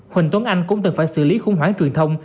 huỳnh tuấn anh cũng từng phải xử lý khủng hoảng truyền thông